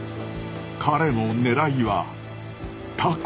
彼の狙いは「タコ」。